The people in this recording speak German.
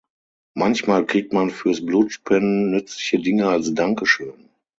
Manchmal kriegt man fürs Blutspenden nützliche Dinge als Dankeschön.